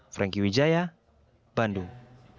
frankie wijaya bandung